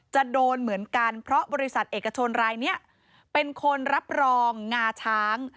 จะโดนเหมือนกันเพราะบริษัทเอกชนรายนี้เป็นคนรับรองงาช้าง